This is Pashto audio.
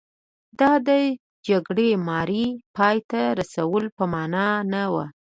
دا د جګړه مارۍ پای ته رسولو په معنا نه و.